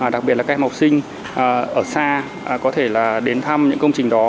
đặc biệt là các em học sinh ở xa có thể là đến thăm những công trình đó